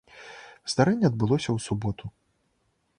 Здарэнне адбылося ў суботу.